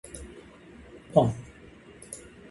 膨